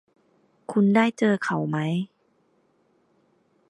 คุณได้เจอเขาไหม